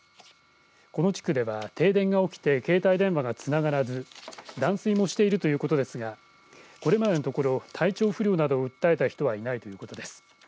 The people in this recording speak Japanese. この地区では停電が起きて携帯電話がつながらず断水もしているということですがこれまでのところ体調不良などを訴えた人はいないということです。